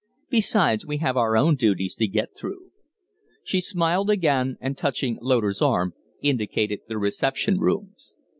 "Besides, we have our own duties to get through." She smiled again, and, touching Loder's arm, indicated the reception rooms.